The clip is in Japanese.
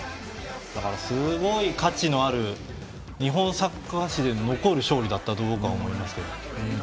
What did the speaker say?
価値のある日本サッカー史に残る勝利だったと僕は思いますけど。